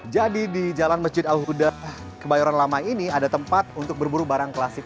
jadi di jalan masjid al huda kebayoran lama ini ada tempat untuk berburu barang klasik